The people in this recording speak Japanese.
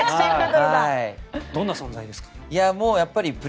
どんな存在ですか？